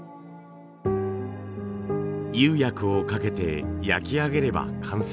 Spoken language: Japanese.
釉薬をかけて焼き上げれば完成。